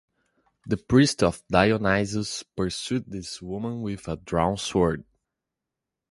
The priest of Dionysus pursued these women with a drawn sword.